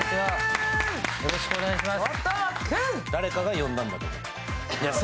よろしくお願いします。